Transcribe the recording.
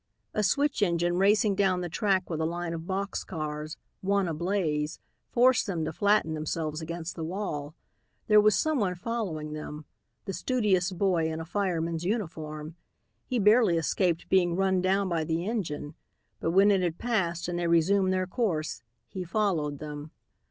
A switch engine racing down the track with a line of box cars, one ablaze, forced them to flatten themselves against the wall. There was someone following them, the studious boy in a fireman's uniform. He barely escaped being run down by the engine, but when it had passed and they resumed their course, he followed them.